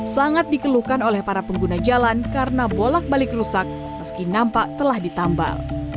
sangat dikeluhkan oleh para pengguna jalan karena bolak balik rusak meski nampak telah ditambal